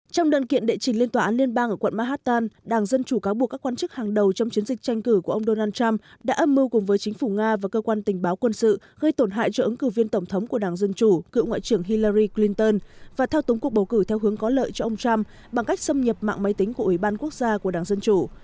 trong đơn kiện địa chỉnh lên tòa án liên bang ở quận manhattan đảng dân chủ cáo buộc các quan chức hàng đầu trong chiến dịch tranh cử của ông donald trump đã âm mưu cùng với chính phủ nga và cơ quan tình báo quân sự gây tổn hại cho ứng cử viên tổng thống của đảng dân chủ cựu ngoại trưởng hillary clinton và thao túng cuộc bầu cử theo hướng có lợi cho ông trump bằng cách xâm nhập mạng máy tính của ủy ban quốc gia của đảng dân chủ